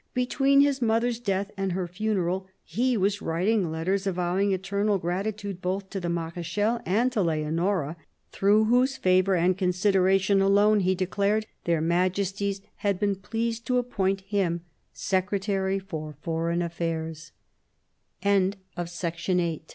Between his mother's death and her funeral, he was writing letters vowing eternal gratitude both to the Marechal and to Leonora, through whose favour and consideration alone, he declared, their Majesties had been pleased to appoint him Secretary for Foreign